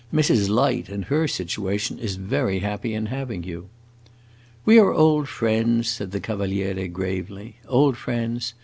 Mrs. Light, in her situation, is very happy in having you." "We are old friends," said the Cavaliere, gravely. "Old friends.